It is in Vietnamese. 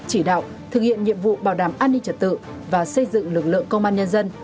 chỉ đạo thực hiện nhiệm vụ bảo đảm an ninh trật tự và xây dựng lực lượng công an nhân dân